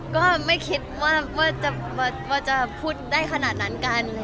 ก็ไม่คิดว่าจะพูดได้ขนาดนั้นกัน